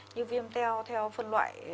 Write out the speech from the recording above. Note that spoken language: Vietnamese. như viêm teo theo phân loại